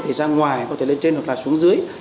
thì ra ngoài có thể lên trên hoặc là xuống dưới